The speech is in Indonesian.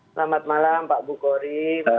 selamat malam pak bukori